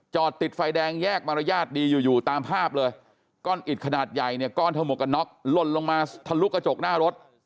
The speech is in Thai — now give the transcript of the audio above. ติดไฟแดงแยกมารยาทดีอยู่อยู่ตามภาพเลยก้อนอิดขนาดใหญ่เนี่ยก้อนถมวกกันน็อกลนลงมาทะลุกระจกหน้ารถ